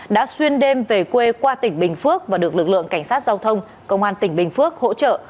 đã xuyên đêm về quê qua tỉnh bình phước và được lực lượng cảnh sát giao thông công an tỉnh bình phước hỗ trợ